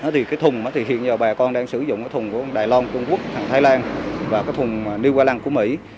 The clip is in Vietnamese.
thì cái thùng hiện giờ bà con đang sử dụng cái thùng của đài loan trung quốc thái lan và cái thùng new holland của mỹ